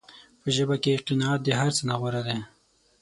په ژوند کې قناعت د هر څه نه غوره دی.